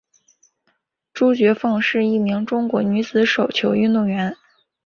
朱觉凤是一名中国女子手球运动员。